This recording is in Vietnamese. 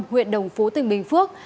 huyện đồng phú tỉnh bình phước